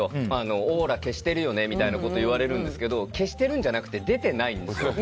オーラ消しているよねみたいなことを言われるんですけど消しているんじゃなくて出てないんですよ。